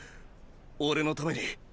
俺のために。